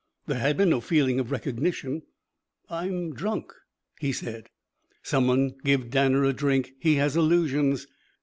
There had been no feeling of recognition. "I'm drunk!" he said. "Some one give Danner a drink. He has illusions."